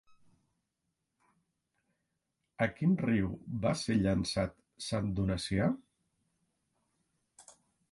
A quin riu va ser llençat Sant Donacià?